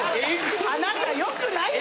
あなた良くないよ。